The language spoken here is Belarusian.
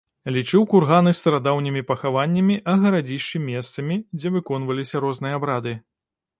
Лічыў курганы старадаўнімі пахаваннямі, а гарадзішчы месцамі, дзе выконваліся розныя абрады.